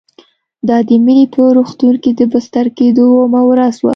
دا د مينې په روغتون کې د بستر کېدو اوومه ورځ وه